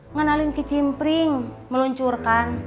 ngenalin kicimpring meluncurkan